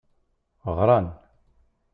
Ɣran.